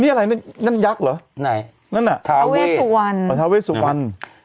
นี่อะไรนั่นนั่นยักษ์เหรอไหนนั่นน่ะทาเวสวรรณทาเวสุวรรณ